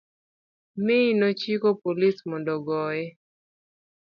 mi nochiko polis mondo ogonye